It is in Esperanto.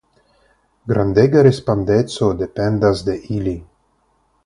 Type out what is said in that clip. Grandega respondeco dependas de ili.